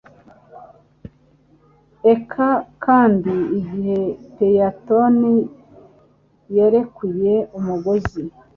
eka kandi igihe Phaeton yarekuye umugozi